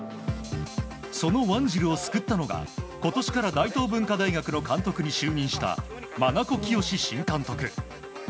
そのワンジルを救ったのが今年から大東文化大学の監督に就任した真名子圭新監督。